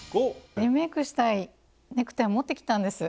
リメイクしたいネクタイを持ってきたんです。